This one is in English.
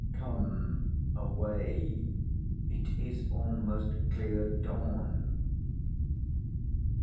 Come away; it is almost clear dawn.